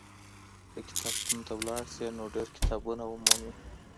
که کتابتون ته لاړ سې نو ډېر کتابونه به ومومې.